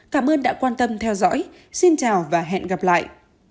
cảm ơn đã quan tâm theo dõi xin chào và hẹn gặp lại